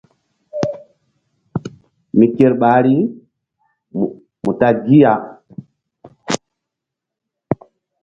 Mi ker ɓahri mu ta gi.